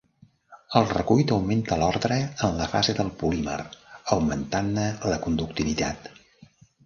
El recuit augmenta l'ordre en la fase del polímer augmentant-ne la conductivitat.